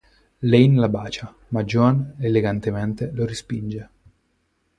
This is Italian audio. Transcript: Lane la bacia, ma Joan, elegantemente, lo respinge.